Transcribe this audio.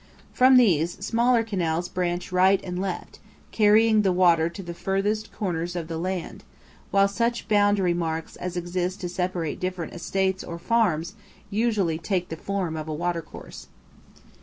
From these, smaller canals branch right and left, carrying the water to the furthest corners of the land, while such boundary marks as exist to separate different estates or farms usually take the form of a watercourse.